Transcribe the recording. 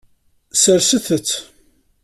Serset-tt.